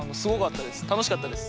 たのしかったです。